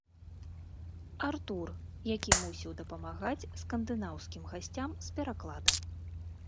Артур, які мусіў дапамагаць скандынаўскім гасцям з перакладам.